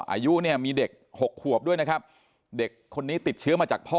อายุเนี่ยมีเด็ก๖ขวบด้วยนะครับเด็กคนนี้ติดเชื้อมาจากพ่อ